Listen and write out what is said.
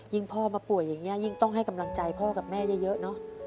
พ่อมาป่วยอย่างนี้ยิ่งต้องให้กำลังใจพ่อกับแม่เยอะเนอะ